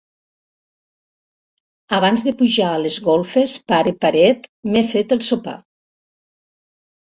Abans de pujar a les golfes, pare paret, m'he fet el sopar.